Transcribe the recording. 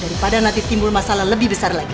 daripada nanti timbul masalah lebih besar lagi